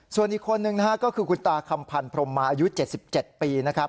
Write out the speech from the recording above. ส่วนอีกคนนึงนะฮะก็คือคุณตาคำพันธุ์พรมมาอายุเจ็ดสิบเจ็ดปีนะครับ